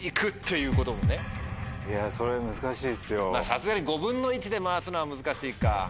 さすがに５分の１で回すのは難しいか。